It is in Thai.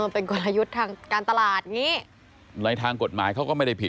เป็นกลยุทธ์ทางการตลาดอย่างนี้ในทางกฎหมายเขาก็ไม่ได้ผิด